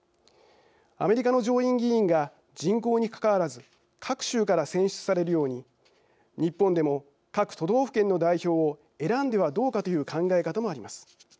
アメリカの上院議員が人口にかかわらず各州から選出されるように日本でも各都道府県の代表を選んではどうかという考え方もあります。